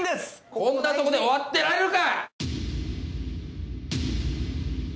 こんなとこで終わってられるか！